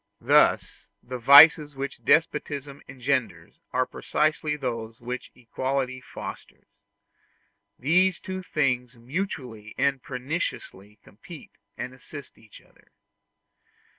Thus the vices which despotism engenders are precisely those which equality fosters. These two things mutually and perniciously complete and assist each other.